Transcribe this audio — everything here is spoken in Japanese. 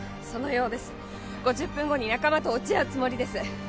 そのようです５０分後に仲間と落ち合うつもりです